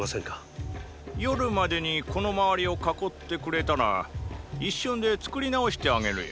夜までにこの周りを囲ってくれたら一瞬で作り直してあげるよ。